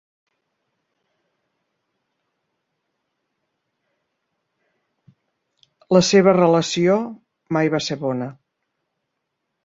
La seva relació mai va ser bona.